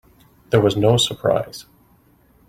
There was no surprise.